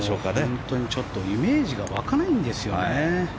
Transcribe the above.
本当にちょっとイメージが湧かないんですよね。